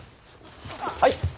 はい！